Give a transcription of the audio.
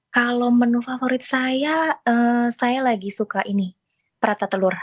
kalau menu favorit saya saya lagi suka ini perata telur